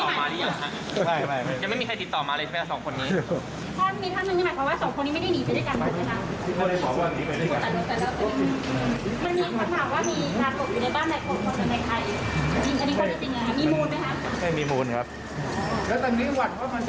แล้วทำนี้หวั่นว่ามันจะมีการเที่ยวเหลือไหม